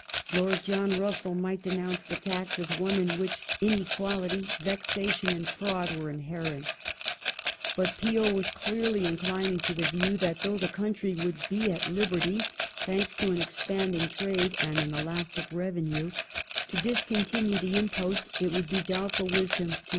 Lord John Russell might denounce the tax as one in which inequality, vexation, and fraud were inherent," but Peel was clearly inclining to the view that though the country would '* be at liberty," thanks to an expanding trade and an elastic revenue, to discontinue the impost, it would be doubtful wisdom to.